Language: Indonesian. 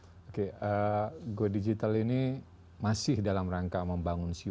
oke go digital ini masih dalam rangka membangun ceo